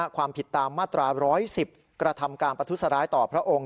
ความผิดตามมาตรา๑๑๐กระทำการประทุษร้ายต่อพระองค์